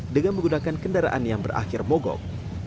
dengan menggunakan kendaraan yang berakhir mogok